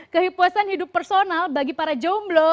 kehipuasan hidup personal bagi para jomblo